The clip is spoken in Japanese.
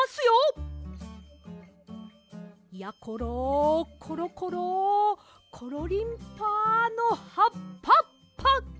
やころコロコロコロリンパのハッパッパ。